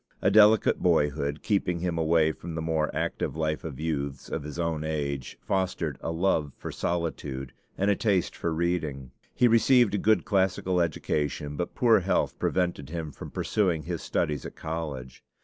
A delicate boyhood, keeping him away from the more active life of youths of his own age, fostered, a love for solitude and a taste for reading. He received a good classical education; but poor health prevented him from pursuing his studies at college.